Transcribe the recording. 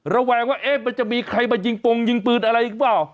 ระแวงว่ามันจะมีใครมายิงปงยิงปืนอะไรหรือเปล่า